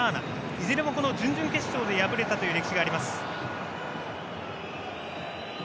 いずれも、準々決勝で敗れたという歴史があります。